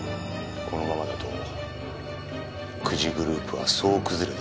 このままだと久慈グループは総崩れですよ。